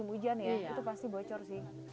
itu pasti bocor sih